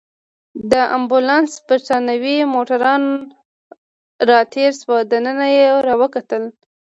د امبولانس بریتانوی موټروان راتېر شو، دننه يې راوکتل.